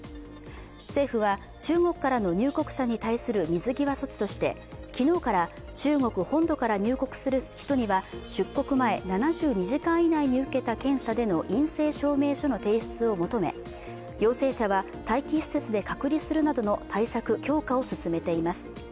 政府は中国からの入国者に対する水際措置として昨日から中国本土から入国する人には出国前、７２時間以内に受けた検査での陰性証明書の提出を求め陽性者は待機施設で隔離するなどの対策強化を進めています。